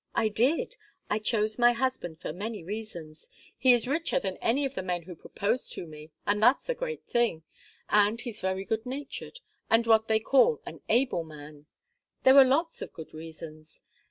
"I did. I chose my husband for many reasons. He is richer than any of the men who proposed to me, and that's a great thing. And he's very good natured, and what they call 'an able man.' There were lots of good reasons.